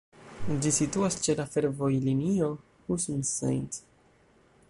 Ĝi situas ĉe la fervojlinio Husum-St.